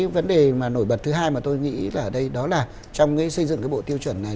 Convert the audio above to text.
vấn đề nổi bật thứ hai mà tôi nghĩ ở đây là trong xây dựng bộ tiêu chuẩn này